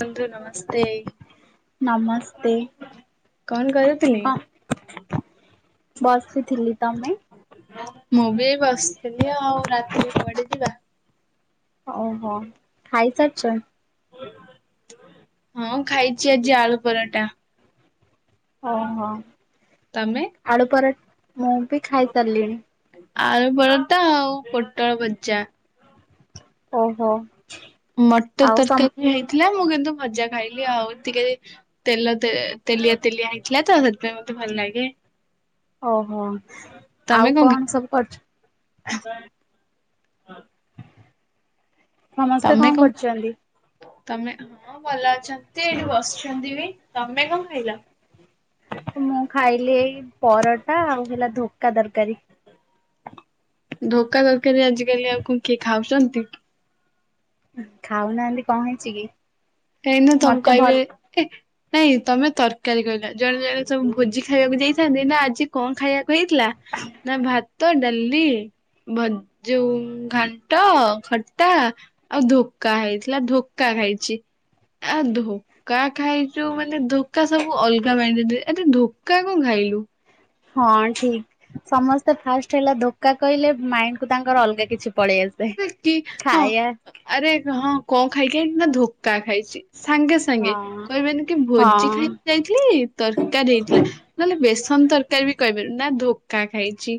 ରୁହନ୍ତୁ ନମସ୍ତେ। ନମସ୍ତେ କଣ କରୁଥିଲେ? କଣ ବସିଥିଲି ତମେ? ମୁଁ ବି ବସିଥିଲି ଆଉ ରାତିରେ କୁଆଡେ ଯିବା? ଓହୋ ଖାଇସାରଛନ୍? ହଁ ଖାଇଛି ଆଜି ଆଳୁ ପରଟା। ଓହୋ ତମେ? ଆଳୁ ପର ମୁଁ ବି ଖାଇ ସାରିଲିଣି। ଆଳୁ ବରଦା ଆଉ ପୋଟଳ ଭଜା ଓହୋ। ମଟର ଆଉ ସମ ତରକାରୀ ବି ହେଇଥିଲା ମୁଁ କନ ତୁ ଭଜା ଖାଇଲି ଆଉ ଟିକେ ତେଲ ତେଲିଆ ତେଲିଆ ହେଇଥିଲା ତ ସେଥିପାଇଁ ମତେ ଭଲ ଲାଗେ। ଓହୋ ତମେ ଆଉ ଖାଇଲ? କଣ ସବୁ କରୁଛୁ? [unintelligible] ସମସ୍ତେ କଣ କରୁଚନ୍ତି? ତମେ ହଁ ଭଲ ଅଛନ୍ତି ଏଇଠି ବସିଛନ୍ତି ବି ତମେ କଣ ଖାଇଲ ମୁଁ ଖାଇଲି ଏଇ ପରଟା ଆଉ ହେଲା ଧୋକା ତରକାରୀ ଧୋକା ତରକାରୀ ଆଜିକାଲି ଆଉ କଣ କିଏ ଖାଉଛନ୍ତି? ଖାଉନାହାନ୍ତି! କଣ ହେଉଛି କି? ଏଇନ ମତେ ଭଲ ତମକଇବେ କହିବେ ଏ। ନାଇଁ ତମେ ତରକାରୀ କହିଲ, ଜଣେ ଜଣେ ସବୁ ଭୋଜି ଖାଇବାକୁ ଯାଇଥାନ୍ତି ନା ଆଜି କଣ ଖାଇବାକୁ ହେଇଥିଲା? ନା ଭାତ, ଡାଲି ଭଜ୍ ଯଉ ଘାଣ୍ଟ, ଖଟା ଆଉ ଧୋକା ହେଇଥିଲା ଧୋକା ଖାଇଛି। ଆ ଧୋକା ଖାଇଛୁ ମାନେ ଧୋକା ସବୁ ଅଲଗା ମାଇଣ୍ଡ ରେ ନେବେ ଆରେ ଧୋକା କଣ ଖାଇଲୁ। ହଁ ଠିକ ସମସ୍ତେ ଫାଷ୍ଟ ହେଲା ଧୋକା କହିଲେ ମାଇଣ୍ଡ କୁ ତାଙ୍କର ଅଲଗା କିଛି- ପଳେଇ ଆସେ। ଆରେ କି ହଁ ଖାଇବା ଆରେ ହଁ କଣ ଖାଇ- କେ ନା ଧୋକା ଖାଇଛି। ସାଙ୍ଗେ ସାଙ୍ଗେ, କହିବେନି କି ହଁ ଭୋଜି ଖାଇ ହଁ ଯାଇଥିଲି! ତରକାରୀ ହେଇଥିଲା ନହେଲେ ବେସ- ସନ ତରକାରୀ ବି କହପାବେନି ନା ଧୋକା ଖାଇଛି।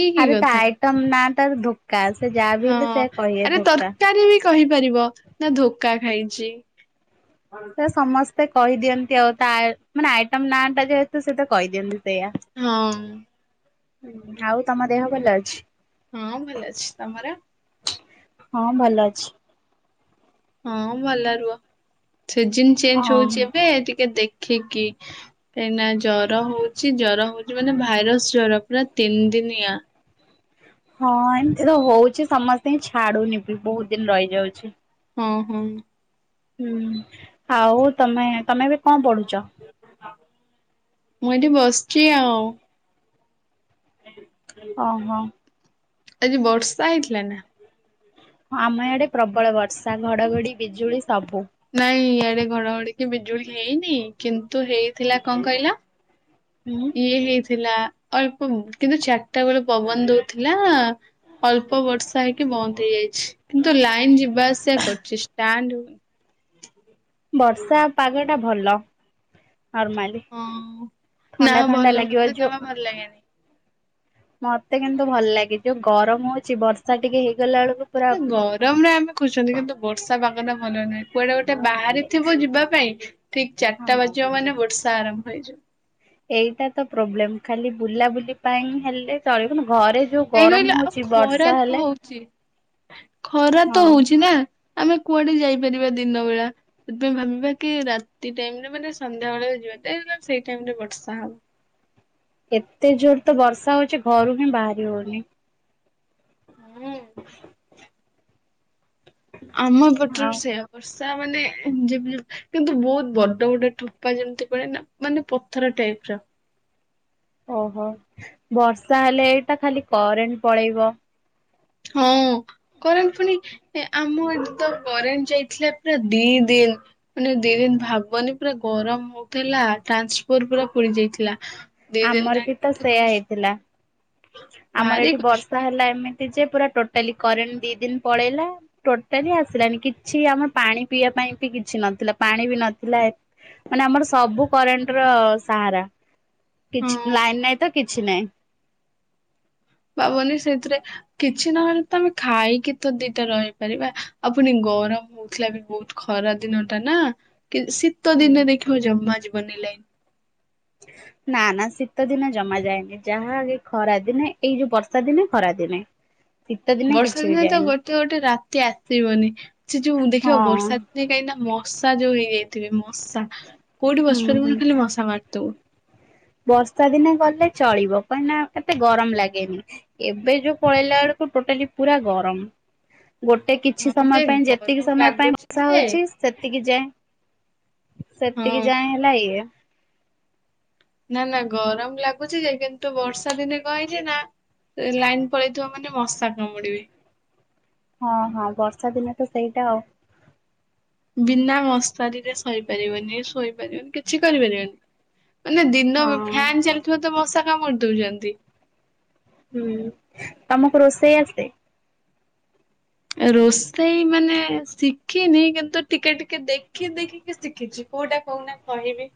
ଇ କି ଆରେ ତା କଥା ଆଇଟମ୍ ନା। ଟା ଧୋ କ୍ କା ସେ ଯାହା ବି ହେଲେ ସେ କହିବେ ଧୋକା। ପାରିବ ନା ଧୋକା ଖାଇଛି। ସେ ସମସ୍- ସେ କହିଦିଅନ୍ତି ଆଉ ତା ମାନେ ଆଇଟମ ନାଁ ଟା ଯେହେତୁ ସେତ କହିଦିଅନ୍ତି। ସେଇଆ। ହଁ। ହୁଁ, ଆଉ ତମ ଦେହ ଭଲ ଅଛି!। ହଁ, ଭଲ ଅଛି। ତମର! ହଁ, ଭଲ ଅଛି। ହଁ, ଭଲ ରୁହ। ସିଜିନ ଚେଞ୍ଜ ହଁ। ହଉଛି ଏବେ ଟିକେ ଦେଖ। ଖିକି କାଇଁନା। ଜର ହଉଛି। ଜର ହଉ- ଯୋଉ ମାନେ ଭାଇରସ ଜର ପୁରା ତିନି ଦିନିଆ। ହଁ, ଏମତି ତ ହଉଛି। ସମସ୍ତୀ ଙ୍କି ଛାଡୁନି ବି ବହୁତ ଦିନ ରହିଯାଉଛି। ହଁ ହଁ। ହୁଁ ଆଉ ତମେ ତମେ ଏବେ- କଣ ପଢୁଚ? ମୁଁ ଏଇଠି ବସିଚି ଆଉ। ଓ ହୋ ଆଜି ବର୍ଷା ହେଇଥିଲା ନା? ଆମ ଆଡେ ପ୍ରବଳ ବର୍ଷା ଘଡଘଡି- ବିଜୁଳି ସବୁ ଘଡଘଡିକି ବିଜୁଳି ହେଇନି। କିନ୍ତୁ ହେଇଥିଲା କଣ କହିଲ? ହୁଁ ଇଏ ହେଇ- ଥିଲା ଅଳ୍ପ, କିନ୍ତୁ ଚାରିଟା ବେଳେ ପବନ ଦଉଥିଲା। ଅଳ୍ପ ବର୍ଷା ହେଇକି ବନ୍ଦ ହେଇଯାଇଛି କିନ୍ତୁ ଲାଇନ ଯିବ- ବାସ ସେୟା କରଛି। ତା ଠୁ ବର୍ଷା ପାଗଟା ଭଲ ନର୍ମାଲି ହଁ, ନା ଥଣ୍ଡା ଥଣ୍ଡା ଭଲ ଲାଗିବ ମୋତେ ଯମା ଭଲ ଲାଗେନି। ମୋତେ କିନ୍ତୁ ଭଲ ଲାଗେ ଯୋଉ ଗରମ ହଉଛି ବର୍ଷା ଟିକେ ହେଇଗଲା ବେଳକୁ ପୁରା ଗରମରେ ଆମେ ଖୋଜୁଛନ୍ତି କିନ୍ତୁ ବର୍ଷା ପାଗଟା ଭଲ ନୁହେଁ। କୁଆଡେ ବାହାରିଥିବ ଯିବା ପାଇଁ ଠିକ ହଁ। ଚାରିଟା ବାଜିବ ମାନେ ବର୍ଷା ଆରମ୍ଭ ହୋଇଯିବ- ଏଇଟା ତ ପ୍ରୋବ୍ଲେମ ଖାଲି ବୁଲାବୁଲି ପାଇଁ ହେ ଚଳିବନି ଘରେ ଯୋଉ କାହିଁ ଗରମ କହିଲ ଆଉ ହଉଛି ଖରା ବର୍ଷା ତ ହେଲେ ହଉଛି। ଖରା ହଁ ତ ହଉଛି ନା ଆମେ କୁଆଡେ ଯାଇପାରିବା ଦିନ ବେଳା। ସେଥିପାଇଁ ଭାବିବା କି ରାତି ଟାଇମରେ ମାନେ ସନ୍ଧ୍ୟାବେେଳେ ଯିବା ସେଇ ଟାଇମ ରେ ବର୍ଷା ହବ। ଏତେ ଜୋର ତ ବର୍ଷା ହଉଛି ଛି ଘରୁ ହିଁ ବାହରି ହଉନି। ହୁଁ। ଆମ ଆଉ ପଟରୁ ସେଇଆ ବ ତା ମାନେ ଯେ କିନ୍ତୁ ବହୁତ ବଡ ବଡ ଠୋପା ଯେମିତି ପଡେନା ମାନେ ପଥର ଟାଇପର ଓହୋ ବର୍ଷା ହେଲେ ଏଇଟା ଖାଲି କରେଣ୍ଟ ପଳେଇବ। ହଁ କରେଣ୍ଟ ପୁଣି ଆମ ଏଠି ତ କରେଣ୍ଟ ଯାଇଥିଲା ପୁରା ଦି ଦିନ ମାନେ ଦି ଦିନ ଭାବନି ପୁରା ଗରମ ହଉଥିଲା ଟ୍ରାନ୍ସଫର ପୁରା ପୋଡି ଯାଇଥିଲା। ଦି ଦିନ ନା ଆମର ବି ତ କେତେ ସେୟା କଷ୍ଟ ହେଇଥିଲା ଆମର ଭାରି ଏଠି କଷ୍ଟ ବର୍ଷା ହେଲା ଏମିତି ଯେ ପୁରା ଟୋଟାଲି କରେଣ୍ଟ ଦି ଦିନ ପଳେଇଲା ଟୋଟାଲି ଆସିଲାନି। କିଛି ଆମର ପାଣି ପିଇବା ପାଇଁ ବି କିଛି ନଥିଲା ପାଣି ବି ନଥିଲା ମାନେ ଆମର ସବୁ କରେଣ୍ଟ ର ସାହାରା କିଛି ହଁ ଲାଇନ ନାଇଁ ତ କିଛି ନହିଁ। ଭାବନି ସେଇଥିରେ କିଛି ନହେଲେ ତ ଆମେ ଖାଇକି ତ ଦିଟା ରହିପାରିବା। ଆଉ ଫୁଣି ଗରମ ହଉଥିଲା ବି ବହୁତ ଖରା ଦିନ ଟା ନା କି ଶୀତ ଦିନେ ଦେଖିବ ଜମା ଯିବନି ଲାଇନ ନା ନା ଶୀତ ଦିନେ ଜମା ଯାଏନି ଯାହା କି ଖରା ଦିନେ ଏଇ ଯୋଉ ବର୍ଷା ଦିନେ ଖରା ଦିନେ। ଶୀତ ବର୍ଷା କିଛି ବି ଦିନେ ତ ଯାଏନି ଗୋଟେ ଗୋଟେ ରାତି ଆସିବନି। ସେ ଯୋଉ ଦେଖିବ ହଁ ବର୍ଷା ଦିନେ କାହିଁକି ନା ମ ବର୍ଷା ଯୋଉ ହେଇଯାଇଥିବେ ମୁଁ କୋଉଠି ହୁଁ ହୁଁ। ବସିପାରିବୁନୁ ଖାଲି ମଶା ମାରଥିବୁ। ବର୍ଷା ଦିନେ ଗଲେ ଚଳିବ। କାହିଁକି ନା ଏତେ ଗରମ ଲାଗେନି। ଏବେ ଯୋଉ ପଳେଇଲା ବେଳକୁ ଟୋଟାଲି ପୁରା ଗରମ। ଗୋଟେ କିଛି ହଁ ଯେ ସମୟ ପାଇଁ ଯେତିକି ଗରମ ସମୟ ପାଇଁ ଲାଗୁଛି ବର୍ଷା ଯେ ହଉଛି ସେତିକି ଯାଏଁ ସେତିକି ହଁ ଯାଏଁ ହେଲା ଇଏ ନା ନା ଗରମ ଲାଗୁଛି ଯେ କିନ୍ତୁ ବର୍ଷା ଦିନେ କହିଇଛି ନା ଲାଇନ ପଳେଇଥିବା ମାନେ ମଶା କାମଡିବେ। ହଁ ହଁ ବର୍ଷା ଦିନେ ତ ସେଇଟା ଆଉ। ବିନା ମଶାରୀରେ ଶୋଇପାରିବନି ଶୋଇ କିଛି କରିିବାରନି ନା ଦିନ ହଁ ଫ୍ୟନ୍ ଚାଲିଥିବା ତ ମଶା କାମର ଦଉଛନ୍ତି। ହୁଁ ତମକୁ ରୋଷେଇ ଆସେ ରୋଷେଇ ମାନେ ଶିଖିନି କିନ୍ତୁ ଟିକେ ଟିକେ ଦେଖି ଦେଖିକି ଶିଖିଛି କୋଉଟା କହୁନା କହିବି।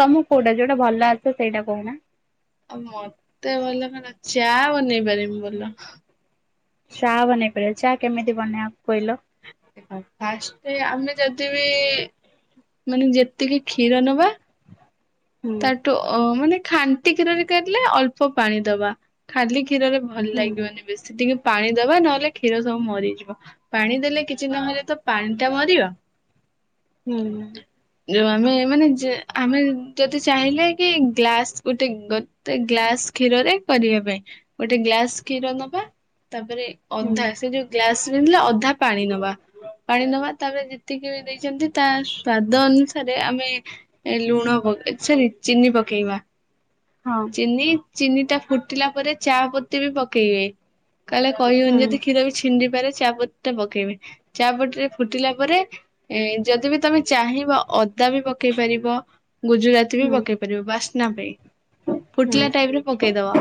ତମକୁ କୋଉଟା ଯୋଉଟା ଭଲ ଆସ ସେଇଟା କହୁନା। ଆଉ ମତେ ଭଲ କ ଚା ବନେଇ ପାରମି ବୋଲ ଚା ବନେଇ ପାରିବ ଚା କେମିତି ବନେଇବା କହିଲ। ଫାଷ୍ଟ ଆମେ ଯଦି ବି ମାନେ ଯେତିକି କ୍ଷୀର ନବା ହୁଁ ତାଠୁ ଅ ମାନେ ଖାନ୍ତି କ୍ଷୀରରେ କରିଲେ ଅଳ୍ପ ପାଣି ଦବା ଖାଲି କ୍ଷୀରରେ ଭଲ ହୁଁ ଲାଗିବନି ବେଶୀ ଟିକେ ପାଣି ଦବା ନହେଲେ କ୍ଷୀର ସବୁ ମରିଯିବ ପାଣି ଦେଲେ କିଛି ନହେଲେ ତ ପାଣି ଟା ମରିବା ହୁଁ ଯୋଉ ଆମେ ମାନେ ଆମେ ଯଦି ଚାହିଁଲେ କି ଗ୍ଲାସ ଗୋଟେ ଗୋଟେ ଗ୍ଲାସ୍ କ୍ଷୀରରେ କରିବା ପାଇଁ ଗୋଟେ ଗ୍ଲାସ୍ କ୍ଷୀର ନବା ତାପରେ ହୁଁ ଅଧା ସେ ଯୋଉ ଗ୍ଲାସ ଅଧା ପାଣି ନବା ପାଣି ନବା ତାପରେ ଯେତିକି ବି ଦେଇଛନ୍ତି ତା ସ୍ଵାଦ ଅନୁସାରେ ଆମେ ଲୁଣଗେଇ ସରି ଚିନି ପକେଇବା ହଁ ଚିନି ଚିନି ଟା ଫୁଟିଲା ପରେ ଚା ପୋତି ବି ପକେଇବେ କହଲେ କହିବନ ହୁଁ ଯଦି କ୍ଷୀର ଛିଣ୍ଡିି ଚାପଟ ଟା ପକେଇବେ ଚାପଟ ରେ ଫୁଟିଲା ପରେ ଯଦି ବି ତମେ ଚାହିଁବ ଅଦା ବି ପକେଇ ପାରିବ ଗୁଜୁରାତି ବି ହୁଁ ପକେଇ ପାରିବ ବାସ୍ ନବେ ହୁଁ ଫୁଟିଲା ଟାଇମରେ ପକେଇଦବା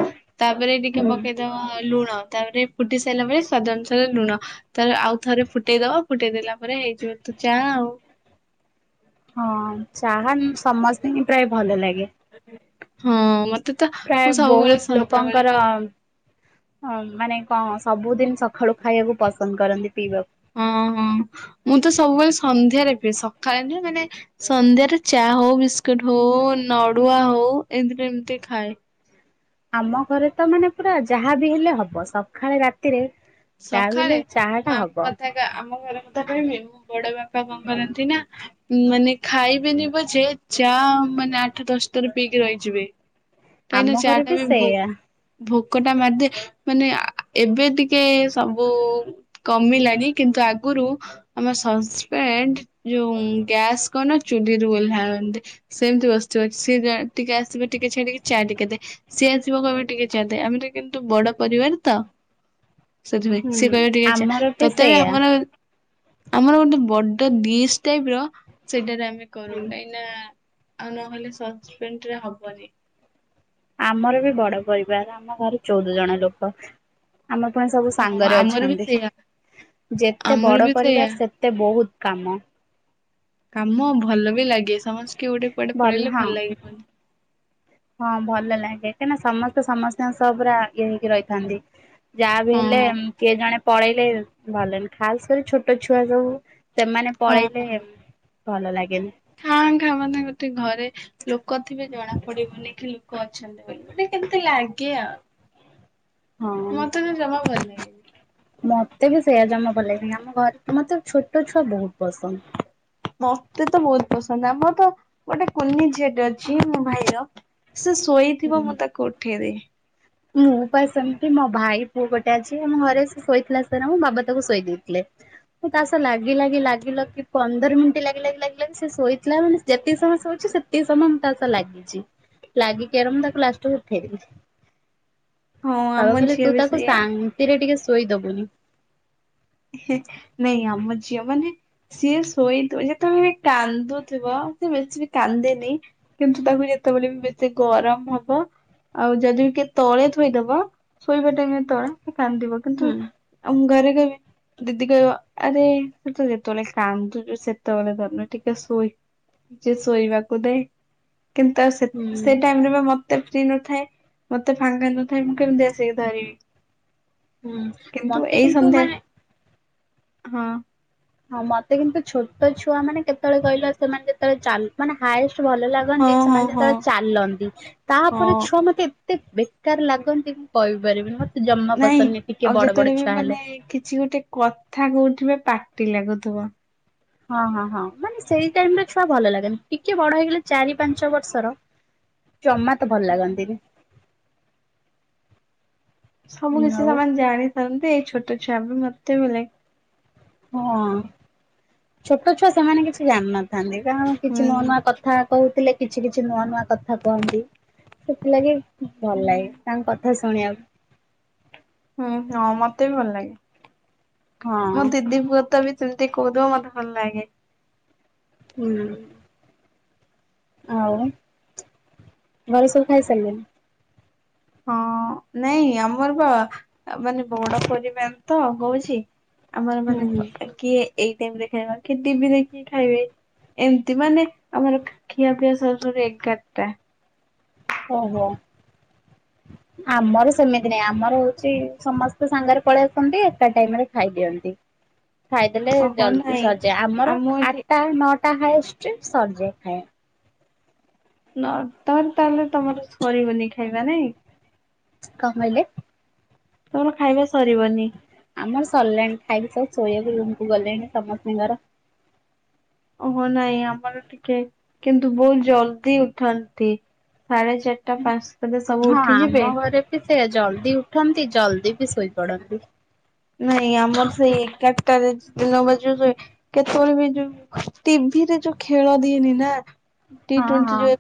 ତାପରେ ଟିକେ ହୁଁ ପକେଇଦବା। ଲୁଣ ତାପରେ ଫୁଟି ସାରିଲା ପରେ ସ୍ଵାଦ ଅନୁସାରେ ଲୁଣ ତା ଆଉ ଥରେ ଫୁଟେଇଦବା ଫୁଟେଇ ଦେଲା ପରେ ହେଇଯିବ ତୁ ଯ ଆଉ ହଁ ଚାହା ସମସ୍ତେ ହି ପ୍ରାୟ ଭଲ ଲାଗେ। ହଁ ମ ପ୍ରାୟ ବୋହୁତ ଲୋକଙ୍କର ଅଂ ମାନେ କଣ ସବୁଦିନ ସକାଳୁ ଖାଇବାକୁ ପସନ୍ଦ କରନ୍ତି ପିଇବା ହଁ ହଁ ମୁଁ ତ ସବୁବେଳେ ସନ୍ଧ୍ୟାରେ ପିଏ। ସକାଳେ ନୁହେଁ ମାନେ ସନ୍ଧ୍ୟାରେ ଚା ହୋଉ ବିସ୍କୁଟ ହୋଉ ନଡୁଆ ହୋଉ ଏମତି ଏମିତି ଖାଏ। ଆମ ଘରେ ତ ମାନେ ପୁରା ଯାହାବି ହେଲେ ହବ ସଖାଳେ ରାତିରେ ଯାହା ବି ସଖାଳେ ହେଲେ ଚାହା ମୁଁ ଟା ହବ ଆମ କଥା ଆମ ଘର କଥା କହିବି। ମୁଁ ବଡ ବାପା କଣ କରନ୍ତି ନା ମାନେ ଖାଇବେନି ପଛେ। ଚା ମାନେ ଆଠ ଦଶ ଥର ପିଇକି ରହିଯିବେ। ଆମ ଘରେ ବି ସେଇଆ। ଭୋକଟା ମାରିଦିଏ ମାନେ ଆ ଏବେ ଟିକେ ସବୁ କମି ଲାଣି କିନ୍ତୁ ଆଗରୁ ଆମ ସସ୍ପେଣ୍ଡ ଯୋଉ ଗ୍ୟାସ୍ କନ ଚୁଲିରୁ ଓହ୍ଲାନ୍ତି ସେମିତି ବସଥିବ ସିଏ ଯା ଟିକେ ଆସିବେ ଟିକେ ଛାଡିକି ଚା ଟିକେ ଦେ ସିଏ ଆସିବ କହିବ ଟିକେ ଚା ଦେ ଆମେ ଟିକେ କିନ୍ତୁ ବଡ ପରିବାର ତ ସେଥିପାଇଁ ହୁଁ ସିଏ କହିବ ଟିକେ ଚା ଆମର ତଥାପି ବି ସେଇଆ ଆମର ଆମର ଗୋଟେ ବଡ ଡିସ୍ ଟାଇପ୍ ର ସେଇଟାରେ ଆ ମେ କରୁ ହୁଁ କାହିଁକି ନା ଆଉ ନହେଲେ ସସ୍ପେଣ୍ଡରେ ହବନି। ଆମର ବି ବଡ ପରିବାର ଆମ ଘରେ ଚଉଦ ଜଣ ଲୋକ। ଆମ ପାଇଁ ସବୁ ହଁ ସାଙ୍ଗରେ ଆମର ବି ଅଛନ୍ତି ସେଇଆ ଯେତେ ଆମର ବଡ ବି ସେଇଆ ପରିବାର ସେତେ ବହୁତ୍ କାମ। କାମ ଭଲ ବି ଲାଗେ ସମ- କିଏ ଗୋଟେ କୁଆଡେ ପଳେଇଲେ ଭଲ ଲାଗିବନି। ହଁ ଭଲ ଲାଗେ କାହିଁକିନା ସମସ୍ତେ ସମସ୍ତଙ୍କ ସହ ପୁରା ଇଏ ହେଇକି ରହିଥାନ୍ତି। ଯାହା ବି ହଁ ହେଲେ ହଁ ଅମ୍ କିଏ ଜଣେ ପଳେଇଲେ ଭଲ ଖାସ୍ କରି ଛୋଟ ଛୁଆ ସବୁ ସେମାନେ ହଁ ପଳେଇଲେ ଭଲ ଲାଗେ ହଁ ତା ମାନେ ଗୋଟେ ଘରେ- ଯଉ କଥା ବି ଜଣା ପଡିବନି କି ଲୋକ ଅଛନ୍ତି ବୋଲି ଗୋଟେ କେମତି ଲାଗେ ଆଉ। ମୋତେ ତ ଜମା ଭଲ ଲାଗେନି। ମୋତେ ବି ସେଇୟା ଜମା ଭଲ ଲାଗେନି ଆମ ଘରେ ମୋତେ ଛୋଟ ଛୁଆ ବହୁତ ପସନ୍ଦ। ମୋତେ ତ ବହୁତ ପସନ୍ଦ ଆମର ତ ଗୋଟେ କୁନି ଝିଅଟେ ଅଛି ମୋ ଭାଇର ସେ ଶୋଇଥିବ ହୁଁ। ମୁଁ ତାକୁ ଉଠେଇବି ମୁଁ ପା ସେମିତି ମୋ ଭାଇ ପୁଅ ଗୋଟେ ଅଛି ଆମ ଘରେ ସେ ଶୋଇଥିଲା [inaudible] ମ ବାବା ତାକୁ ଶୁଆଇ ଦେଇଥିଲେ ମୁଁ ତା ସହ ଲାଗି ଲାଗି ଲାଗି ଲାଗି ପନ୍ଦର ମିନଟି ଲାଗି ଲାଗି ଲାଗି ଲାଗି ସେ ଶୋଇଥିଲା ମାନେ ଯେତେ ସମୟ ଶୋଉଛି ସେତେ ସମୟ ମୁଁ ତା ସହ ଲାଗିଛି ଲାଗିକି ମୁଁ ତାକୁ ଲାଷ୍ଟକୁ ଉଠେଇଦେଲି। ହଁ ଆମ ହଉ ହେଲେ ଝିଅ ତୁ ବି ତାକୁ ସେଇଆ। ସାନ୍ତିରେ ଟିକେ ଶୋଇଦବୁନି। ହେଁ ନାଇଁ ଆମ ଝିଅ ମାନେ ସିଏ ଶୋଇଥିବ ଯେତେବେଳେ ବି କାନ୍ଦୁଥିବ ସେ ବେଶୀ କାନ୍ଦେନି କିନ୍ତୁ ତାକୁ ଯେତେବେଳେ ବି ବେଶୀ ଗରମ ହବ ଆଉ ଯଦି ବି କିଏ ତଳେ ଥୋଇଦବ ଶୋଇବା ଟାଇମ୍ ରେ ତଳେ କାନ୍ଦିବ କିନ୍ତୁ ହୁଁ ଆମ ଘରେ କହିବେ ଦିଦି କହିବ ଆରେ ସେ ତ ଯେତେବେଳେ କାନ୍ଦୁଛୁ ସେତେବେଳେ ଧନୁ ଟିକେ ଶୋଇ ଟିକେ ଶୋଇବାକୁ ଦେ। କିନ୍ତୁ ଆଉ ସେ ସେ ହୁଁ। ଟାଇମ୍ ରେ ବି ମୋ ତେ ଫ୍ରି ନଥାଏ ମତେ ଫାଙ୍କା ନଥାଏ ମୁଁ କେମିତି ଆସିକି ଧରିବି। ହୁଁ କିନ୍ତୁ ମତେ ଏଇ କିନ୍ତୁ ସନ୍ଧ୍ୟା ମାନେ ହଁ। ହଁ ମତେ କିନ୍ତୁ ଛୋଟ ଛୁଆ ମାନେ କେତେବେଳେ କହିଲ ସେମାନେ ଯେତେବେଳେ ଚାଲ୍ ମାନେ ହାଏଷ୍ଟ୍ ଭଲ ଲାଗନ୍ତି ହଁ ହଁ ସେମାନେ ହଁ ଯେତେବେଳେ ଚାଲନ୍ତି ହଁ ତାପରେ ଛୁଆ ମତେ ଏତେ ବେକାର ଲାଗନ୍ତି ମୁଁ କହିପାରିବିନି ମତେ ଜମା ନାଇଁ ପସନ୍ଦ ନୁହେଁ ଟିକେ ଆଉ ବଡ ବଡ ଯେତେବେଳେ ବି ଛୁଆ ହେଲେ। ମାନେ କିଛି ଗୋଟେ କଥା କଉଥିବେ ପାଟି ଲାଗୁ ଥିବ। ହଁ ହଁ ହଁ ମାନେ ସେଇ ଟାଇମରେ ଛୁଆ ଭଲ ଲାଗେନି ଟିକେ ବଡ ହେଇଗଲେ ଚାରି ପାଞ୍ଚ ବର୍ଷର ଜମା ତ ଭଲ ଲାଗନ୍ତିନି। ସବୁ ହୁଁ କିଛି ଆଉ ସେମାନେ ଜାଣିଥାନ୍ତି ଏଇ ଛୋଟ ଛୁଆ ବି ମତେ କେତେ ବେଳେ ହଁ ଛୋଟ ଛୁଆ ସେମାନେ କିଛି ଜାଣିନାହାନ୍ତି। ଥାନ୍ତି କାରଣ କିଛି ନୂଆ ହୁଁ। ନୂଆ କଥା କହୁଥିଲେ। କିଛି କିଛି ନୂଆ ନୂଆ କଥା କୁହନ୍ତି ସେଥିଲାଗି ଭଲ ଲାଗେ ତାଙ୍କ କଥା ପୁଣି [unintelligible] ହୁଁ ହଁ ମତେ ବି ଭଲ ଲାଗେ। ମୋ ହଁ। ଦିଦି ପୁଅ ତ ବି ସେମତି କହୁଥିବ ମତେ ଭଲ ଲାଗେ। ହୁଁ। ଆଉ ଘର ସବୁ ଖାଇସାରିଲେଣି? ହଁ ନାଇଁ ଆମର ବା ମାନେ ବଡ ପରିବାର ତ ହଉଛି ଆମର ହୁଁ ମାନେ ହୁଁ। ପ କିଏ? ଏଇ ଟାଇମରେ ଖାଇବେ ଟି ଭି ଦେଖକି ଖାଇବେ ଏମିତି ମାନେ ଆମର ଖିଆପିଆ ସରୁ ସରୁ ଏଗାରଟା। ଓହୋ ଆମର ସେମିତି ନାହିଁ ଆମର ହଉଛି ସମସ୍ତେ ସାଙ୍ଗରେ ପଳେଇ ଆସନ୍ତି ଏକା ଟାଇମରେ ଖାଇଦିଅନ୍ତି। ଖାଇଦେଲେ ଓହୋ ଜଲ୍ଦି ନାଇଁ ସରି ଯାଇ ଆମର ଆମ ଏଠି ଆଠଟା ନଅଟା ତା ହାଏଷ୍ଟ ସରି ଯାଇଥାଏ। ନ ତର ତାହେଲେ ତମର ସରିବନି ଖାଇବା ନାଇଁ? କଣ କହିଲେ ତମର ଖାଇବା ସରିବନି? ଆମର ସରିଲାଣି ଖାଇକି ସବୁ ଶୋଇବାକୁ ରୁମ କୁ ଗଲେଣି ସମସ୍ତିଙ୍କର। ଓହୋ ନାଇଁ ଆମର ଟିକେ କିନ୍ତୁ ବହୁତ ଜଲଦି ଉଠନ୍ତି। ସାଢେ ଚାରିଟା ପାଞ୍ଚଟ ସବୁ ହଁ ଆମ ଉଠିଯିବେ ଘରେ ବି ସେ ଜଲଦି ଉଠନ୍ତି ଜଲଦି ବି ଶୋଇ ପଡନ୍ତି। ନାଇଁ ଆମର ସେଇ ଏକା ଦିନ ବା ଯଉ କେତେବେଳେ ବି ଯୋଉ ଟିଭିରେ ଯୋଉ ଖେଳ ଦିଏନି ନା? ଟି ହଁ ଟ୍ୱଣ୍ଟି ହଁ। ଯଏ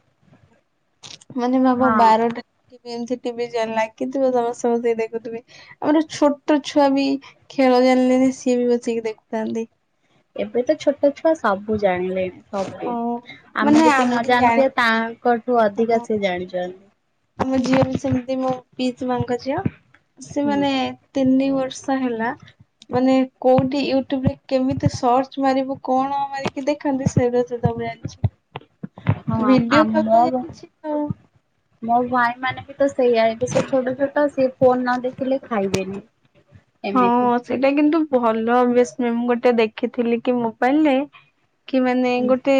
ମାନେ ଭବ ହଁ। ବାରଟା ଟିଭି ଏମତି ଟିଭି ଜାଣିଲା କିନ୍ତୁ ସମସ୍ତେ ବସେଇକି ଦେଖୁଥିବେ ଆମର ଛୋଟ ଛୁଆ ବି ଖେଳ ଜାଣିଲେନି ସିଏ ବି ବସେଇକି ଦେଖୁଥାନ୍ତି। ଏବେ ତ ଛୋଟ ଛୁଆ ସବୁ ଜାଣିଲେ ସବୁ ଓ ଆମେ ମାନେ ଯେତିକି ନ ଜାଣି ଜାଣିଥିବା ତାଙ୍କଠୁ ଅଧିକା ହଁ ସେ ଜାଣିଛନ୍ତି। ଆମ ଝିଅ ବି ସେମିତି ମୋ ପିଇସି ମାଙ୍କ ଝିଅ। ସେମାନେେ ତିନି ବ ଇଛାହେଲା ମାନେ କଉଠି ୟୁଟ୍ୟୁବରେ କେମିତି ସର୍ଚ୍ଚ ମାରିବୁ କଣ ମାରିକି ଦେଖାନ୍ତି - - ହୁଁ ହଁ ଆମ ଭିଡିଓ କଲ୍ ତ ମୋ ଯାଇଛି ଆଉ ମୋ ଭାଇ ମାନେ ବି ତ ସେଇଆ ଏବେ ସେ ଛୋଟ ଛୋଟ ସେ ଫୋନ ନ ଦେଖିଲେ ଖାଇବେନି। ହଁ ଏମିତି ସେଇଟା କିନ୍ତୁ - ଭଲ ବ ଗୋଟେ ଦେଖିଥିଲି କି ମୋବାଇଲରେ କି ମାନେ ଗୋଟେ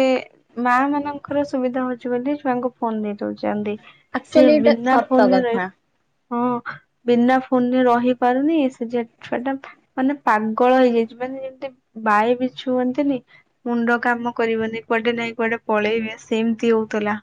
ମା ମାନଙ୍କର ସୁବିଧା ହଉଛି। ଚେଣ୍ଟି ଛୁଆଙ୍କୁ ଫୋନ ଦେଇଦଉଛନ୍ତି। ଆକ୍ଚୁଆଲି ଏଇଟା ସତ କଥା। ହଁ ବିନା ଫୋନରେ ରହି ପାରୁନି ସେ ଯେ ଛୁଆଟା ମାନେ ପାଗଳ ହେଇଯାଇଛି। ମାନେ ଯେମିତି ବାଏ ବିଛୁଅନ୍ତିନି ମୁଣ୍ଡ କାମ କରିବନି କୁଆଡେ ନାଇଁ କୁଆଡେ ପଳେଇବେ ସେମିତି ହଉଥିଲା।